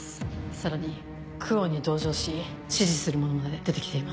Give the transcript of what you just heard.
さらに久遠に同情し支持する者まで出て来ています。